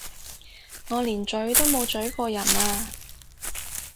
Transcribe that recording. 我連咀都冇咀過人啊！